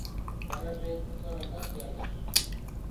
Вараже утларакат ярныш.